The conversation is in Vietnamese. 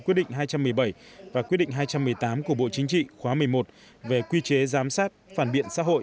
quyết định hai trăm một mươi bảy và quyết định hai trăm một mươi tám của bộ chính trị khóa một mươi một về quy chế giám sát phản biện xã hội